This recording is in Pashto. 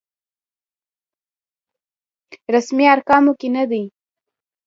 رسمي ارقامو کې نه دی.